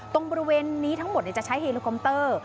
ตรงบริเวณนี้ทั้งหมดจะใช้เฮโลคอมเตอร์